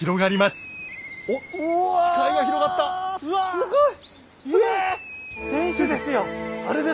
すごい！